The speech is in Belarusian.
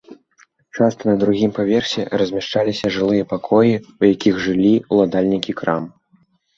Часта на другім паверсе размяшчаліся жылыя пакоі, у якіх жылі ўладальнікі крам.